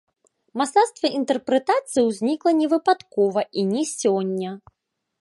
Мастацтва інтэрпрэтацыі ўзнікла не выпадкова і не сёння.